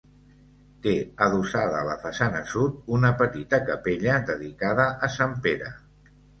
Té adossada a la façana sud una petita capella dedicada a Sant Pere.